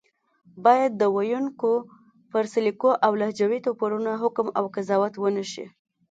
بايد د ویونکو پر سلیقو او لهجوي توپیرونو حکم او قضاوت ونشي